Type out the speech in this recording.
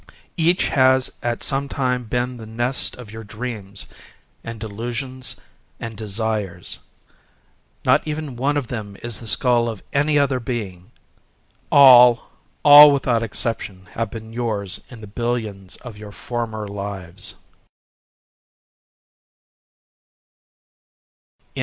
Each has at some time been the nest of your dreams and delusions and desires. Not even one of them is the skull of any other being. All,—all without exception,—have been yours, in the billions of your former lives."